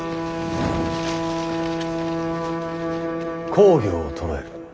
公暁を捕らえる。